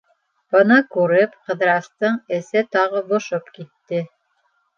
Быны күреп, Ҡыҙырастың эсе тағы бошоп китте.